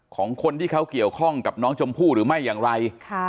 ของคนที่เขาเกี่ยวข้องกับน้องชมพู่หรือไม่อย่างไร